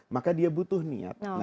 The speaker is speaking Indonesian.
maka dia butuh niat